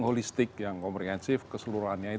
ketika iklim anak anak dikunjung rumah